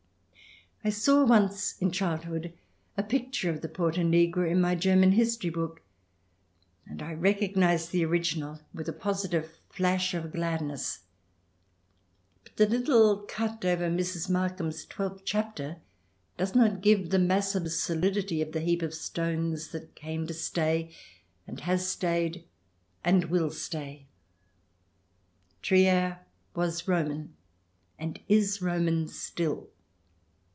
I saw once, in childhood, a picture of the Porta Nigra in my German history book, and I recognized the original with a positive flash of gladness. But the little cut over Mrs. Markham's twelfth chapter 18 274 THE DESIRABLE ALIEN [ch. xx does not give the massive solidity of the heap of stones that came to stay, and has stayed, and will stay. Trier w^as Roman, and is Roman still.